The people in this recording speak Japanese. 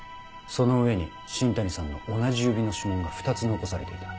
その上に新谷さんの同じ指の指紋が２つ残されていた。